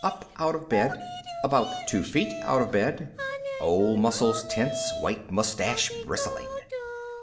up out of bed about two feet out of bed old muscles tense, white mustache bristling.